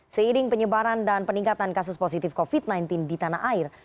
seiring penyebaran dan peningkatan kasus positif covid sembilan belas di tanah air